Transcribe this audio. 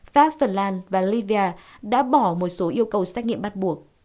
pháp phần lan và libya đã bỏ một số yêu cầu xét nghiệm bắt buộc